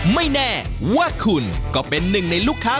ไม่แน่ว่าคุณก็เป็นหนึ่งในลูกค้า